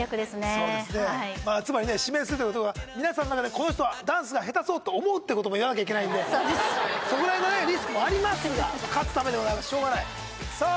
そうですねまあつまりね指名するということは皆さんの中でこの人はと思うってことも言わなきゃいけないんでそうですそこら辺のねリスクもありますが勝つためでございますしょうがないさあ